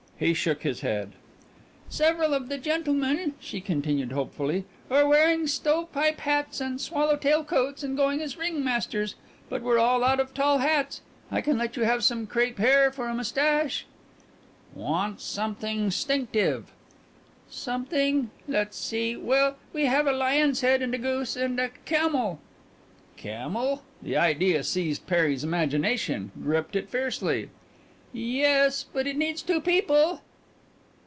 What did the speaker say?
He shook his head. "Several of the gentlemen," she continued hopefully, "are wearing stovepipe hats and swallow tail coats and going as ringmasters but we're all out of tall hats. I can let you have some crape hair for a mustache." "Want somep'n 'stinctive." "Something let's see. Well, we have a lion's head, and a goose, and a camel " "Camel?" The idea seized Perry's imagination, gripped it fiercely. "Yes, but it needs two people."